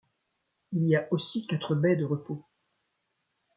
Il y a aussi quatre baies de repos.